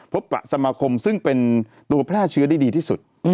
ประสมาคมซึ่งเป็นตัวแพร่เชื้อได้ดีที่สุด